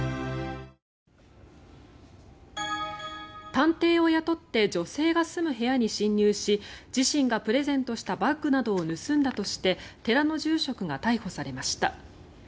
探偵を雇って女性が住む部屋に侵入し自身がプレゼントしたバッグなどを盗んだとして寺の住職が逮捕されました。